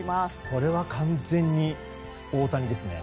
これは完全に大谷ですね。